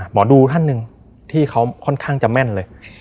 หมอดูท่านหนึ่งที่เขาค่อนข้างจะแม่นเลย